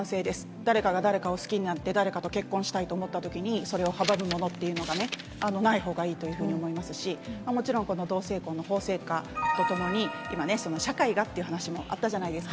誰かが誰かを好きになって誰かと結婚したいと思ったときに、それを阻むものっていうのがね、ないほうがいいというふうに思いますし、もちろん同性婚の法制化とともに、今ね、社会がっていう話もあったじゃないですか、